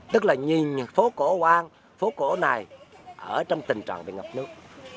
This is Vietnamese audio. tức là nhìn phố cổ hội an phố cổ này ở trong tình trạng bị ngập nước